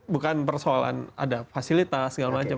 bukan persoalan ada fasilitas segala macam